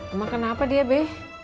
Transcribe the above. emang kenapa dia be